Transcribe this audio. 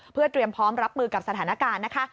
เพื่อเตรียมพร้อมรับมือกับสถานการณ์นะคะ